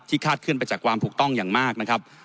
ที่คาดขึ้นไปจากความถูกต้องอย่างมากนะครับ